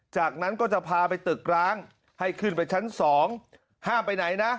จากนั้นก็จะพาไปตึกร้างให้ขึ้นไปชั้น๒ห้ามไปไหนนะ